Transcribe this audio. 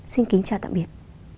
xin kính chào tạm biệt